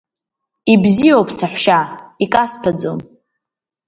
Ибзиоуп, саҳәшьа, икасҭәаӡом.